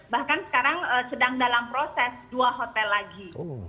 bahkan sekarang sedang dalam proses dua hotel lagi